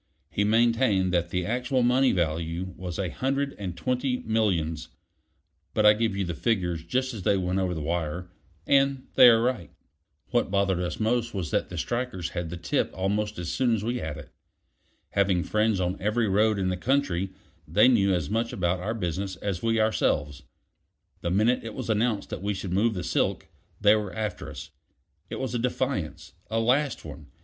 He maintained that the actual money value was a hundred and twenty millions; but I give you the figures just as they went over the wire, and they are right. What bothered us most was that the strikers had the tip almost as soon as we had it. Having friends on every road in the country, they knew as much about our business as we ourselves. The minute it was announced that we should move the silk, they were after us. It was a defiance; a last one.